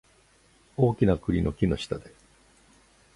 大きな栗の木の下で